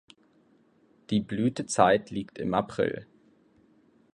Die Blütezeit liegt im April.